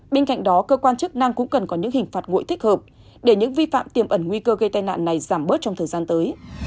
bên cạnh đó cơ quan chức năng cũng cần có những hình phạt nguội thích hợp để những vi phạm tiềm ẩn nguy cơ gây tai nạn này giảm bớt trong thời gian tới